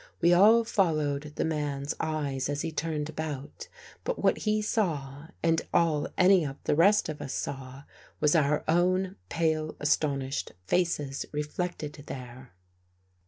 We all followed the man's eyes as he turned about, but what he saw, and all any of the rest of us saw, was our own pale astonished faces reflected there.